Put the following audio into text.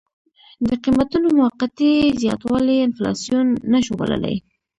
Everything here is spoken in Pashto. د قیمتونو موقتي زیاتوالی انفلاسیون نه شو بللی.